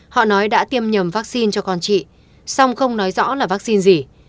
họ nói đã tiêm nhầm vaccine cho con chị song không nói rõ là vaccine gì